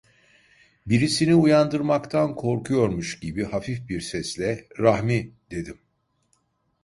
Birisini uyandırmaktan korkuyormuş gibi hafif bir sesle: "Rahmi!" dedim.